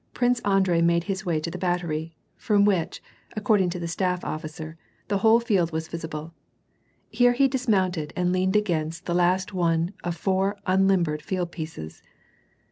Prince Andrei made his way to the battery, from which, according to the staff officer, the whole field was visi ble. Here he dismounted and leaned against the last one of four unlimbered field pieces.